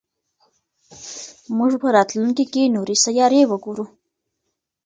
موږ به په راتلونکي کې نورې سیارې وګورو.